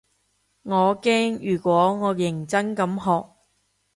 我驚如果我認真咁學